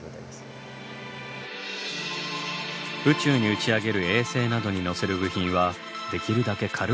宇宙に打ち上げる衛星などに載せる部品はできるだけ軽くすることが重要です。